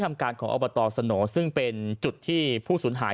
ทำการของโอบตสโสนวเป็นจุดที่ผู้สุนหาย